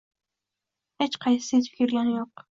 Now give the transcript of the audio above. Hech qaysisi yetib kelgani yo’q.